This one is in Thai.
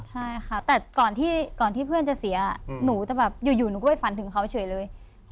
ใช่ค่ะแต่ก่อนที่เพื่อนจะเสียหนูจะแบบอยู่หนูก็ไปฝันถึงเขาเฉยเลย